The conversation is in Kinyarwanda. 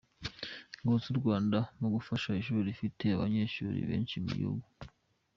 Ingabo z’u Rwanda mu gufasha ishuri rifite abanyeshuri benshi mu gihugu .